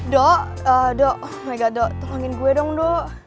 dok dok megan dok tolongin gue dong dok